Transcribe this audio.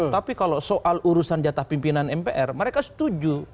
tapi kalau soal urusan jatah pimpinan mpr mereka setuju